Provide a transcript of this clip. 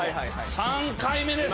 ３回目です！